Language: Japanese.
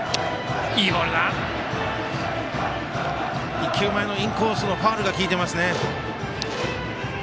１球前のインコースのファウルが効いていますね。